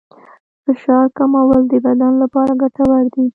فشار کمول د بدن لپاره ګټور دي.